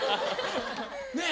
ねえ！